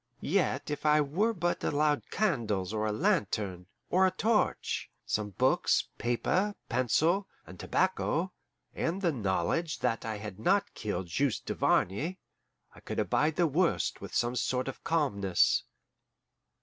Yet if I were but allowed candles, or a lantern, or a torch, some books, paper, pencil, and tobacco, and the knowledge that I had not killed Juste Duvarney, I could abide the worst with some sort of calmness.